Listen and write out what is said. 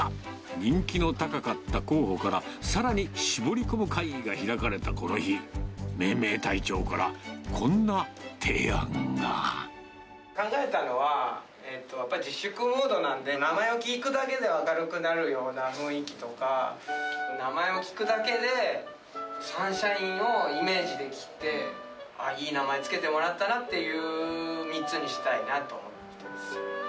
人気の高かった候補から、さらに絞り込む会議が開かれたこの日、命名隊長から、こんな提案考えたのは、やっぱり自粛ムードなんで、名前を聞くだけで明るくなるような雰囲気とか、名前を聞くだけで、サンシャインをイメージできて、ああ、いい名前付けてもらったなっていう３つにしたいなと思っています。